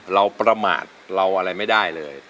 ประมาทเราอะไรไม่ได้เลย